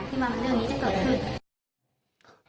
ที่ว่าเรื่องนี้จะเกิดขึ้น